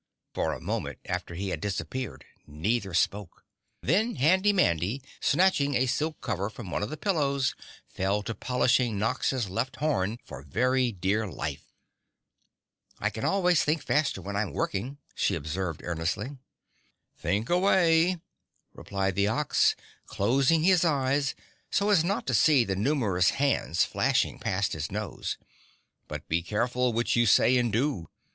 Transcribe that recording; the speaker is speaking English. For a moment after he had disappeared neither spoke, then Handy Mandy, snatching a silk cover from one of the pillows fell to polishing Nox's left horn for very dear life. "I can always think faster when I'm working," she observed earnestly. "Think away," replied the Ox, closing his eyes so as not to see the numerous hands flashing past his nose. "But be careful what you say and do.